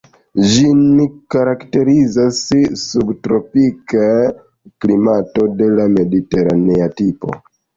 Ĝin karakterizas subtropika klimato de la mediteranea tipo.